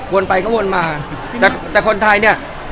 ไปก็วนมาแต่คนไทยเนี่ย